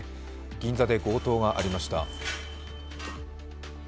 銀座で強盗がありました。